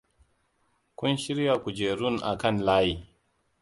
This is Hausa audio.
Kun shirya kujerun akan layi.